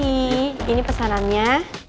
permisi ini pesannya